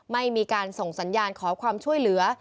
ไม่มีการส่งสัญญาณขอความช่วยเหลือ